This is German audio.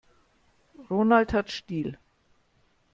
Ronald hat Stil.